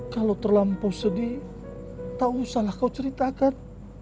kalau terlampau sedih tak usahlah kau ceritakan